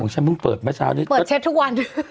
ฉันเพิ่งเปิดเมื่อเช้านี้เปิดเช็ดทุกวัน